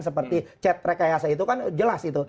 seperti chat rekayasa itu kan jelas itu